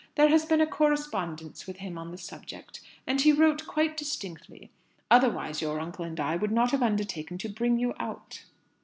There has been a correspondence with him on the subject, and he wrote quite distinctly; otherwise your uncle and I would not have undertaken to bring you out."